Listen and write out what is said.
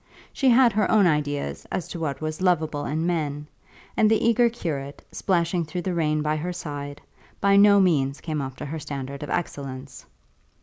She had her own ideas as to what was loveable in men, and the eager curate, splashing through the rain by her side, by no means came up to her standard of excellence.